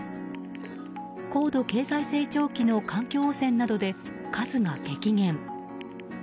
高度経済成長期の環境汚染などで数が激減。